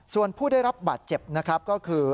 ส่วนผู้ได้รับบาดเจ็บคือ